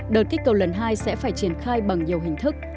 đợt kích cầu lần hai sẽ phải triển khai bằng nhiều hình thức